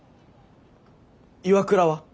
岩倉は？